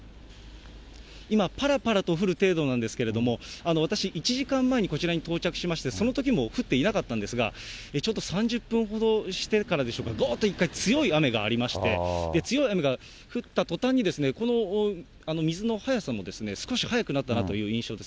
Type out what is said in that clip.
今、ぱらぱらと降る程度なんですけれども、私、１時間前にこちらに到着しまして、そのときも降っていなかったんですが、ちょっと３０分ほどしてからでしょうか、ごーっと一回強い雨がありまして、強い雨が降ったとたんに、この水の速さも少し速くなったなという印象です。